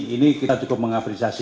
ini kita cukup mengapresiasi